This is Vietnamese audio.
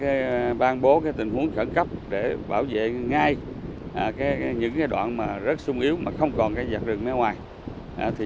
hôm nay đang ra ban bố tình huống khẩn cấp để bảo vệ ngay những đoạn rất sung yếu mà không còn giặt rừng mê ngoài